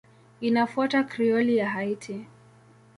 Inafuata Krioli ya Haiti.